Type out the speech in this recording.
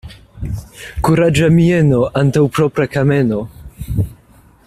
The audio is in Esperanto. Kuraĝa mieno antaŭ propra kameno.